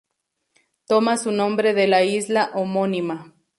Toma su nombre de la isla homónima.